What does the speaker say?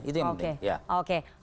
itu yang penting